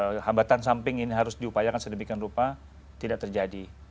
nah kemudian pemerintahan yang diupayakan sedemikian rupa tidak terjadi